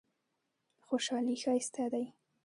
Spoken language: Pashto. خوشحالي ښایسته دی.